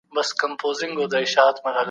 د افغانستان بهرنیو اړیکي قوي بنسټ نه لري.